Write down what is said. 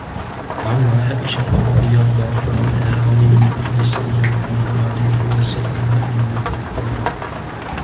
عَنْ عَائِشَةَ رَضِيَ اللَّهُ عَنْهَا عَنْ النَّبِيِّ صَلَّى اللَّهُ عَلَيْهِ وَسَلَّمَ أَنَّهُ قَالَ